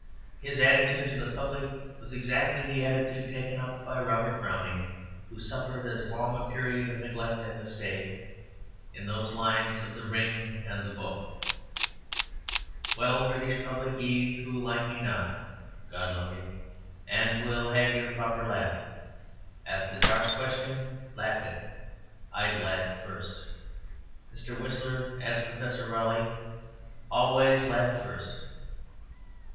"His attitude to the public was exactly the attitude taken up by Robert Browning, who suffered as long a period of neglect and mistake, in those lines of 'The Ring and the Book' "'Well, British Public, ye who like me not, (God love you!) and will have your proper laugh At the dark question; laugh it! I'd laugh first.' "Mr. Whistler," adds Professor Raleigh, "always laughed first."